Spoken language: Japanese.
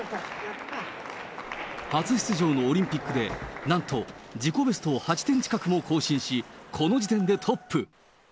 初出場のオリンピックで、なんと自己ベストを８点近くも更新し、この時点でトップ。